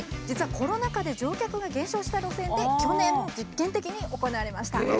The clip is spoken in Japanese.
実はコロナ禍で乗客が減少した路線で去年実験的に行われました。